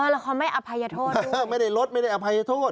อ๋อแล้วความไม่อภัยโทษด้วยไม่ได้ลดไม่ได้อภัยโทษ